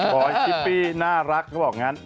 อยชิปปี้น่ารักเขาบอกงั้น